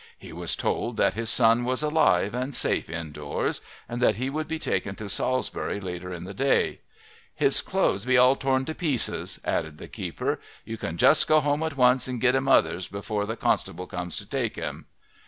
He was told that his son was alive and safe indoors and that he would be taken to Salisbury later in the day. "His clothes be all torn to pieces," added the keeper. "You can just go home at once and git him others before the constable comes to take him."